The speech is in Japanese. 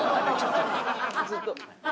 ずっと。